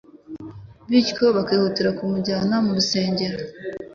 bityo bakihutira kumujyana mu nsengero